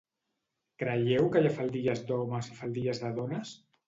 Creieu que hi ha faldilles d'homes i faldilles de dones?